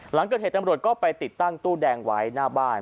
หลังเกิดเหตุตำรวจก็ไปติดตั้งตู้แดงไว้หน้าบ้าน